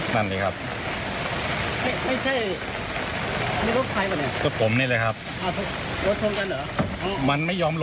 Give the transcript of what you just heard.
ยอมหลบครับเนี่ยคนจีนเนี่ยครับ